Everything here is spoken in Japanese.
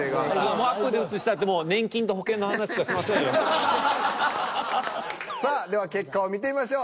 もうアップで映したってさあでは結果を見てみましょう。